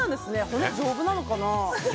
骨、丈夫なのかな。